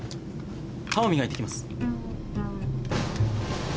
歯を磨いて来ます。